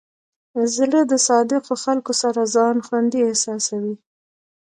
زړه د صادقو خلکو سره ځان خوندي احساسوي.